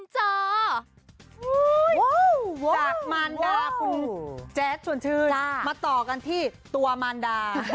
จากมารดาคุณแจ๊ดชวนชื่นมาต่อกันที่ตัวมารดา